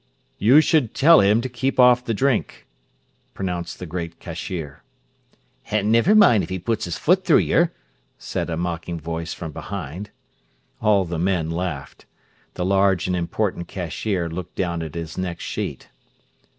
"You should tell him to keep off the drink," pronounced the great cashier. "An' niver mind if he puts his foot through yer," said a mocking voice from behind. All the men laughed. The large and important cashier looked down at his next sheet.